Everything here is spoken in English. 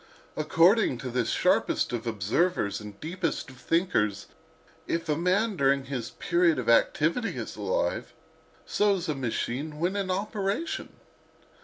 According to this sharpest of observers and deepest of thinkers, if a man during his period of activity is alive, so is a machine when in operation.